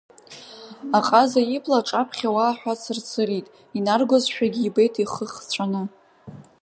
Аҟаза ибла аҿаԥхьа уа аҳәа цырцырит, инаргозшәагьы ибеит ихы хҵәаны…